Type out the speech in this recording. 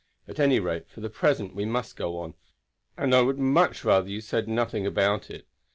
At any rate, for the present we must go on, and I would much rather that you said nothing about it.